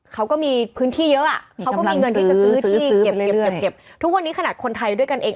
เขาก็มีพื้นที่เยอะอ่ะเขาก็มีเงินที่จะซื้อที่เก็บเก็บทุกวันนี้ขนาดคนไทยด้วยกันเอง